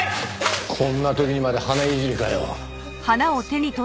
こんな時にまで花いじりかよ。